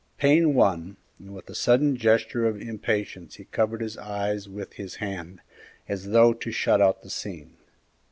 Pain won, and with a sudden gesture of impatience he covered his eyes with his hand, as though to shut out the scene.